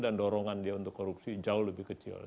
dorongan dia untuk korupsi jauh lebih kecil